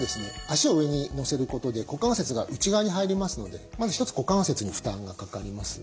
足を上にのせることで股関節が内側に入りますのでまず一つ股関節に負担がかかります。